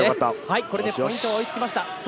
これでポイント追いつきました。